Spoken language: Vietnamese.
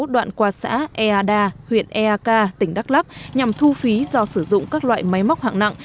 đoạn qua xã eada huyện eak tỉnh đắk lắc nhằm thu phí do sử dụng các loại máy móc hạng nặng